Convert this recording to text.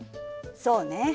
そうね。